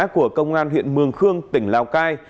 của công an huyện mường khương tỉnh lào cai